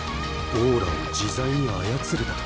オーラを自在に操るだと！？